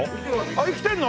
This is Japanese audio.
あっ生きてんの！？